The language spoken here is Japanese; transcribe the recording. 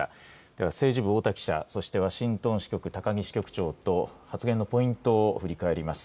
では政治部太田記者、そしてワシントン支局、高木支局長と、発言のポイントを振り返ります。